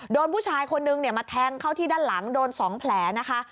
โดนผู้ชายคนนึงมาแทงเข้าที่ด้านหลังโดน๒แผลนะคะ